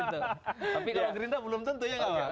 tapi kalau gerinda belum tentunya tidak pak